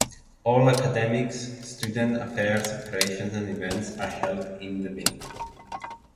All academics, student affairs, operations, and events are held in the building.